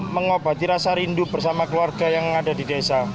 mengobati rasa rindu bersama keluarga yang ada di desa